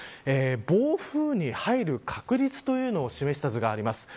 暴風に入る確率というのを示した図があります。